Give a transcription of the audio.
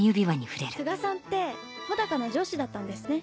須賀さんって帆高の上司だったんですね。